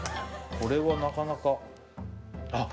これはなかなかあっ